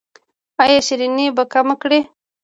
ایا شیریني به کمه کړئ؟